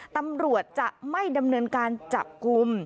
ตำรวจจะไม่ดำเนินการจับกลุ่ม